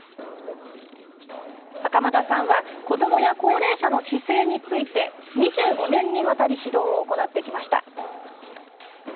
袴田さんは子どもや高齢者の姿勢について２５年にわたり指導を行ってきました。